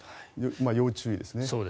要注意ですね。